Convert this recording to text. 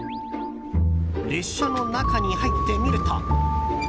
列車の中に入ってみると。